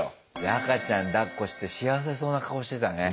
赤ちゃんだっこして幸せそうな顔してたね。